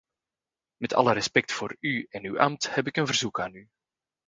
Met alle respect voor u en uw ambt heb ik een verzoek aan u.